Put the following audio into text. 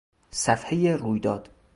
صفحهٔ رویداد